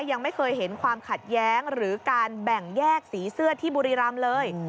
ยังไม่เคยเห็นความขัดแย้งหรือการแบ่งแยกสีเสื้อที่บุรีรำเลย